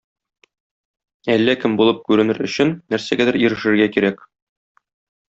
Әллә кем булып күренер өчен нәрсәгәдер ирешергә кирәк.